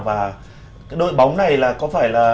và đội bóng này là có phải là